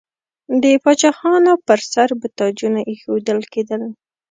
د پاچاهانو پر سر به تاجونه ایښودل کیدل.